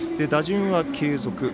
打順は継続。